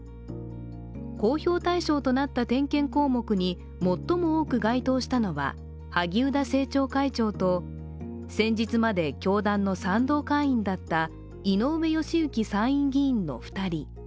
公表対象となった点検項目に最も多く該当したのは萩生田政調会長と先日まで教団の賛同会員だった井上義行参議院議員２人。